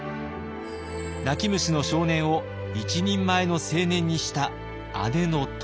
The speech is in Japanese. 泣き虫の少年を一人前の青年にした姉の乙女。